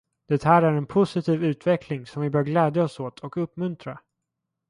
Det här är en positiv utveckling som vi bör glädja oss åt och uppmuntra.